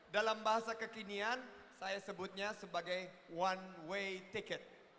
dalam bahasa kekinian saya sebutnya sebagai one way ticket